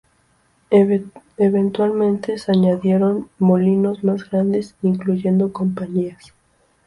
Eventualmente, se añadieron molinos más grandes, incluyendo compañías.